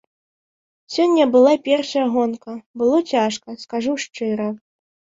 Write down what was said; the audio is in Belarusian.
Сёння была першая гонка, было цяжка, скажу шчыра.